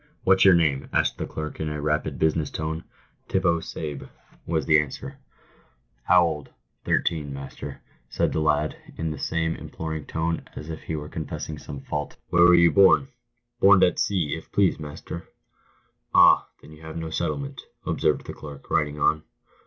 "What's your name?" asked the clerk, in a rapid business tone. " Tippo Saib," was the answer. PAVED WITH GOLD. 13 "How old?" " Thirteen, master," said the lad, in the same imploring tone as if he were confessing to some fault. " "Where were you born ?"" Borned at sea, if please, master." " Ah, then, you've no settlement," observed the clerk, writing on.